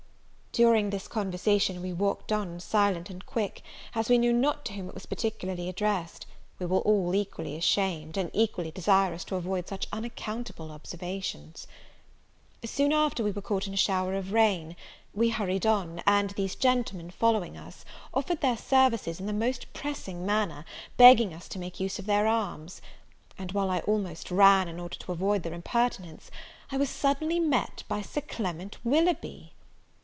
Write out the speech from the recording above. During this conversation, we walked on silent and quick; as we knew not to whom it was particularly addressed, we were all equally ashamed, and equally desirous to avoid such unaccountable observations. Soon after we were caught in a shower of rain. We hurried on; and these gentlemen, following us, offered their services in the most pressing manner, begging us to make use of their arms; and, while I almost ran, in order to avoid their impertinence, I was suddenly met by Sir Clement Willoughby!